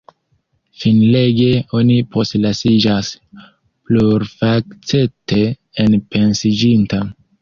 Finlege oni postlasiĝas plurfacete enpensiĝinta.